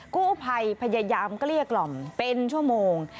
กู้ภัยพยายามเกลี้ยกล่อมเป็นชั่วโมง